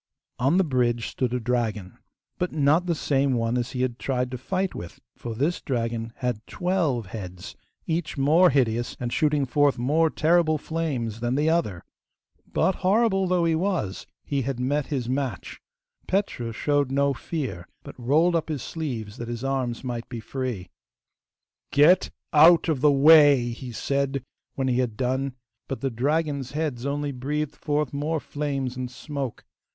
On the bridge stood a dragon, but not the same one as he had tried to fight with, for this dragon had twelve heads, each more hideous and shooting forth more terrible flames than the other. But, horrible though he was, he had met his match. Petru showed no fear, but rolled up his sleeves, that his arms might be free. 'Get out of the way!' he said when he had done, but the dragon's heads only breathed forth more flames and smoke.